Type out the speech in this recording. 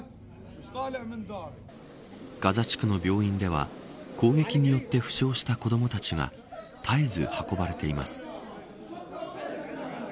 ガザ地区の病院では攻撃によって負傷した子どもたちが絶えず運ばれています。